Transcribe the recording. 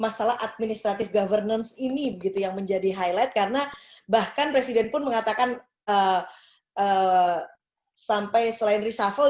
masalah administrative governance ini yang menjadi highlight karena bahkan presiden pun mengatakan sampai selain reshuffle